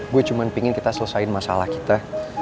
gue cuma pingin kita selesain masalah kita